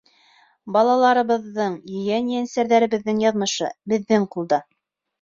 Балаларыбыҙҙың, ейән-ейәнсәрҙәребеҙҙең яҙмышы — беҙҙең ҡулда!